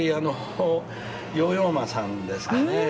ヨーヨー・マさんですかね。